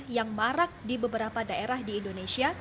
yang marak di beberapa daerah di indonesia